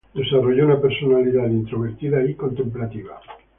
Desarrolló una personalidad introvertida y contemplativa.